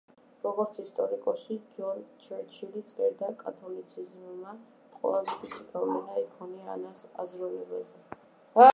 როგორც ისტორიკოსი ჯონ ჩერჩილი წერდა, „კათოლიციზმმა ყველაზე დიდი გავლენა იქონია ანას აზროვნებაზე“.